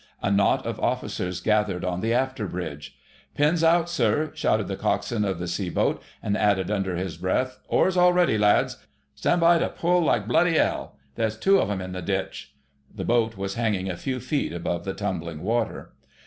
A knot of officers gathered on the after bridge. "Pin's out, sir!" shouted the Coxswain of the sea boat, and added under his breath, "Oars all ready, lads! Stan' by to pull like bloody 'ell—there's two of 'em in the ditch...." The boat was hanging a few feet above the tumbling water.